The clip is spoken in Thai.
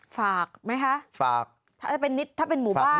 ฝากไหมคะฝากนิติบุคคลฝากนิติบุคคลถ้าเป็นหมู่บ้าน